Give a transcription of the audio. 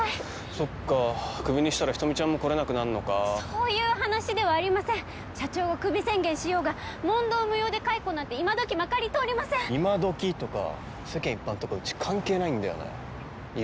そっかクビにしたら人見ちゃんも来れなくなんのかそういう話ではありません社長がクビ宣言しようが問答無用で解雇なんて今どきまかり通りません今どきとか世間一般とかうち関係ないんだよねいる